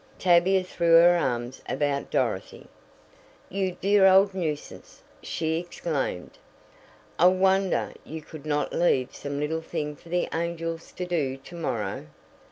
Tavia threw her arms about Dorothy. "You dear old nuisance!" she exclaimed. "I wonder you could not leave some little thing for the angels to do to morrow."